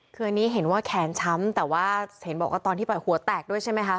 คืออันนี้เห็นว่าแขนช้ำแต่ว่าเห็นบอกว่าตอนที่ไปหัวแตกด้วยใช่ไหมคะ